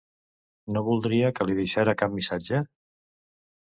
No voldria que li deixara cap missatge?